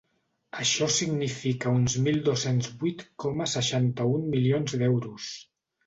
Això significa uns mil dos-cents vuit coma seixanta-un milions d’euros.